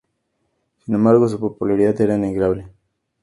Sin embargo, su popularidad era innegable.